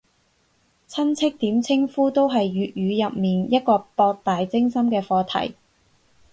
親戚點稱呼都係粵語入面一個博大精深嘅課題